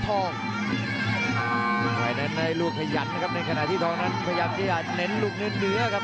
ต้องไหว้ในลูกขยันนะครับในขณะที่ทองนั้นพยายามจะเน้นลูกเนื้อครับ